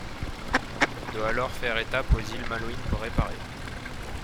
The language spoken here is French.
Il doit alors faire étape aux iles Malouines pour réparer.